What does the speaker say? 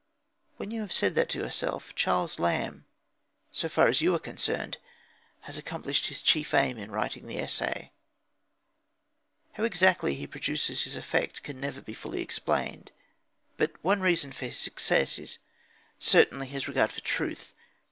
When you have said that to yourself, Charles Lamb, so far as you are concerned, has accomplished his chief aim in writing the essay. How exactly he produces his effect can never be fully explained. But one reason of his success is certainly his regard for truth.